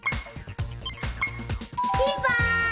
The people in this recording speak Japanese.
ピンポーン！